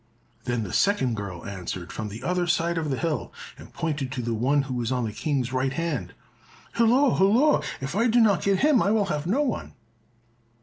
Then the second girl answered from the other side of the hill, and pointed to the one who was on the King's right hand, "Hilloa! hilloa! If I do not get him, I will have no one."